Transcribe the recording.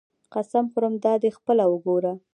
قسم خورم دادی خپله وګوره.